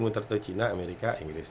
muter muter china amerika inggris